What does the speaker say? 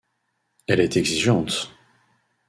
Elle est exigeante.